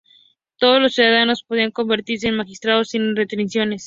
Todos los ciudadanos podían convertirse en magistrados, sin restricciones.